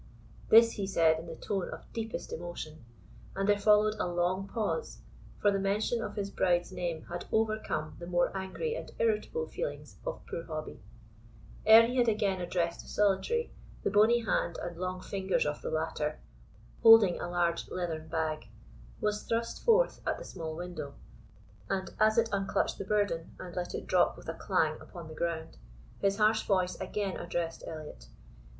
This he said in the tone of deepest emotion and there followed a long pause, for the mention of his bride's name had overcome the more angry and irritable feelings of poor Hobbie. Ere he had again addressed the Solitary, the bony hand and long fingers of the latter, holding a large leathern bag, was thrust forth at the small window, and as it unclutched the burden, and let it drop with a clang upon the ground, his harsh voice again addressed Elliot.